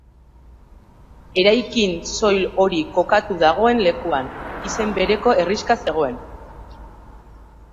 Eraikin soil hori kokatu dagoen lekuan, izen bereko herrixka zegoen.